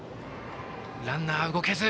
ランナー、動けず。